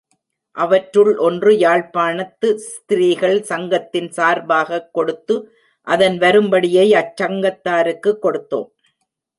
அவற்றுள் ஒன்று, யாழ்ப்பாணத்து ஸ்திரீகள் சங்கத்தின் சார்பாகக் கொடுத்து அதன் வரும்படியை அச்சங்கத்தாருக்குக் கொடுத்தோம்.